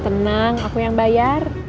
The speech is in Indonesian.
tenang aku yang bayar